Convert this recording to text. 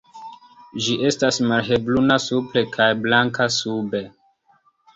Ĝi estas malhelbruna supre kaj blanka sube.